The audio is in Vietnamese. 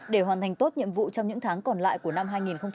để hoàn thành tốt nhiệm vụ trong những tháng còn lại của năm hai nghìn hai mươi